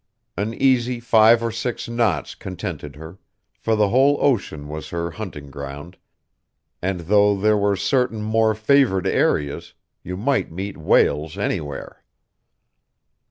An easy five or six knots contented her; for the whole ocean was her hunting ground, and though there were certain more favored areas, you might meet whales anywhere.